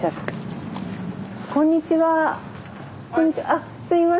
あっすいません。